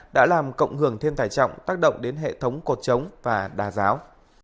đã làm cộng hưởng thêm tải trọng tác động đến hệ thống cột chống và đà giáo